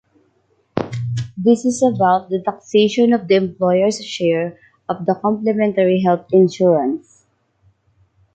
This is about the taxation of the employers’ share of the complementary health insurance.